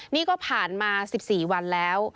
นี่ก็ผ่านมา๑๔วันแล้ว